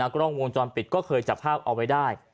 กล้องวงจรปิดก็เคยจับภาพเอาไว้ได้